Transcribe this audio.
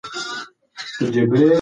په لیرې پرتو سیمو کې د کرنې وسایل کم دي.